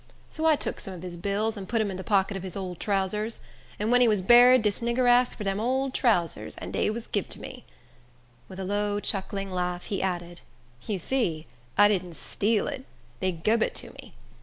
So I tuk some of his bills, and put 'em in de pocket of his ole trousers. An ven he was buried, dis nigger ask fur dem ole trousers, an dey gub 'em to me." With a low, chuckling laugh, he added, "You see I didn't steal it; dey gub it to me.